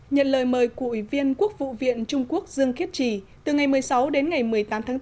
nhận lời mời của ủy viên quốc vụ viện trung quốc dương kiết trì từ ngày một mươi sáu đến ngày một mươi tám tháng bốn